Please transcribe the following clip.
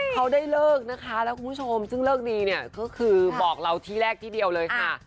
เขาได้เลิกนะคะแล้วคุณผู้ชมซึ่งเลิกดีเนี่ยก็คือบอกเราที่แรกที่เดียวเลยค่ะ